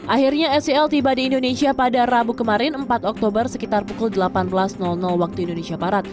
akhirnya sel tiba di indonesia pada rabu kemarin empat oktober sekitar pukul delapan belas waktu indonesia barat